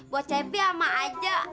buat cepi ama aduk